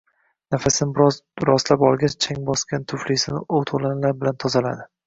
Nafasini biroz rostlab olgach, chang bosgan tuflisini oʻt-oʻlanlar bilan tozaladi